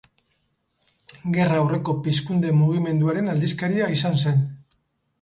Gerra aurreko Pizkunde mugimenduaren aldizkaria izan zen.